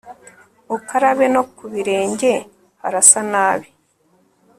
ukarabe no ku birenge harasanabi